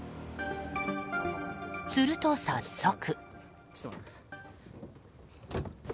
すると、早速。